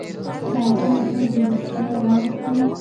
ساده اوبه د روغتیا راز دي